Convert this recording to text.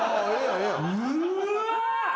うわ！